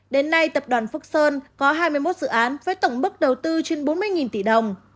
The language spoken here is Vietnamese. đến nay tập đoàn phúc sơn có hai mươi một dự án với tổng mức đầu tư trên bốn mươi tỷ đồng